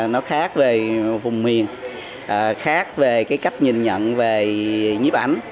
nó khác về vùng miền khác về cái cách nhìn nhận về nhiếp ảnh